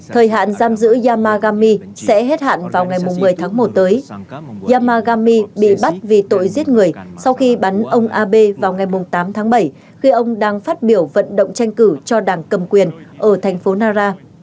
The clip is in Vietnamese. thời hạn giam giữ yamagami sẽ hết hạn vào ngày một mươi tháng một tới yamagami bị bắt vì tội giết người sau khi bắn ông abe vào ngày tám tháng bảy khi ông đang phát biểu vận động tranh cử cho đảng cầm quyền ở thành phố nara